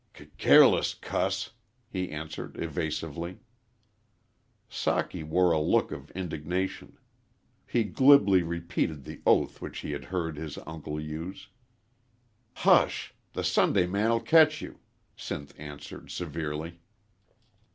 "C careless cuss," he answered, evasively. Socky wore a look of indignation. He glibly repeated the oath which he had heard his uncle use. "Hush! The Sundayman'll ketch you," Sinth answered, severely.